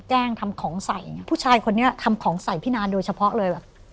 แกล้งทำของใส่ผู้ชายคนนี้ทำของใส่พี่นาโดยเฉพาะเลย